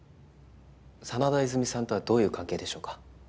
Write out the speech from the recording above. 真田和泉さんとはどういう関係でしょうか？